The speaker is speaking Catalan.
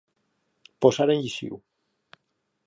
Posar en lleixiu.